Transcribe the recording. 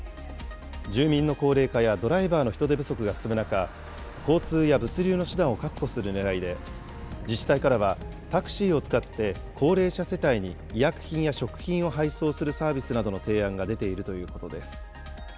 住民の高齢化やドライバーの人手不足が進む中、交通や物流の手段を確保するねらいで、自治体からは、タクシーを使って高齢者世帯に医薬品や食品を配送するサービスなどの提案が出ているということです。